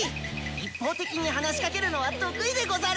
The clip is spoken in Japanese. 一方的に話しかけるのは得意でござる！